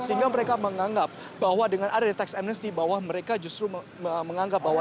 sehingga mereka menganggap bahwa dengan ada teks amnesti di bawah mereka justru menganggap bahwa